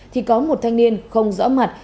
thì có một thanh niên không rõ mặt